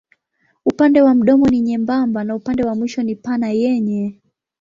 Upande wa mdomo ni nyembamba na upande wa mwisho ni pana yenye.